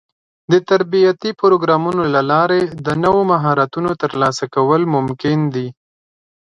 د تربيتي پروګرامونو له لارې د نوو مهارتونو ترلاسه کول ممکن دي.